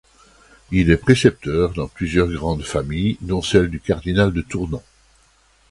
Il est précepteur dans plusieurs grandes familles, dont celle du cardinal de Tournon.